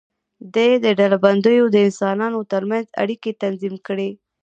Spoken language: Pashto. دې ډلبندیو د انسانانو تر منځ اړیکې تنظیم کړې.